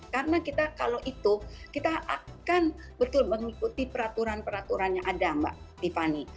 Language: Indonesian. karena kita kalau itu kita akan betul mengikuti peraturan peraturan yang ada mbak tiffany